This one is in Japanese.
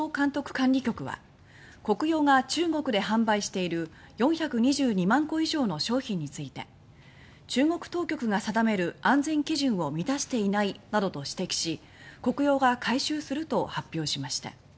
管理局はコクヨが中国で販売している４２２万個以上の商品について「中国当局が定める安全基準を満たしていない」などと指摘しコクヨが回収すると発表しました。